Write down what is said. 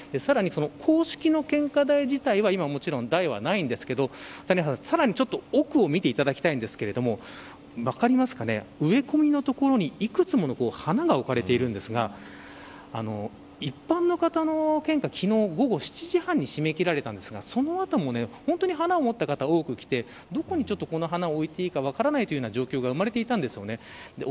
さらに、公式の献花台自体は今はもちろん台はないんですがさらにちょっと奥を見ていただきたいんですが植え込みの所に、いくつもの花が置かれているんですが一般の方の献花昨日午後７時半に締め切られたんですがその後も花を持った方が多く来てどこに、この花を置いていいか分からないという状況が生まれていたんです。